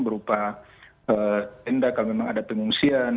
berupa tenda kalau memang ada pengungsian